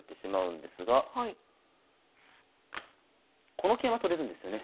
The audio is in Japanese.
この桂馬取れるんですよね。